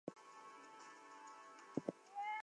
He was a member of the Royal Canadian Academy of Arts.